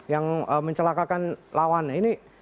yang mencelakakan lawannya